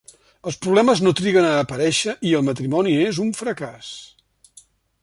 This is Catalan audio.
Els problemes no triguen a aparèixer i el matrimoni és un fracàs.